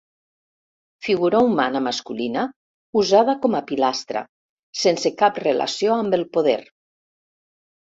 Figura humana masculina usada com a pilastra, sense cap relació amb el poder.